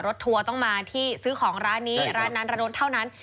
ทัวร์ต้องมาที่ซื้อของร้านนี้ร้านนั้นร้านโดนเท่านั้น